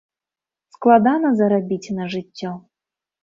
Складана зарабіць на жыццё.